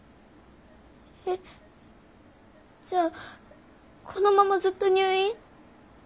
えっじゃあこのままずっと入院？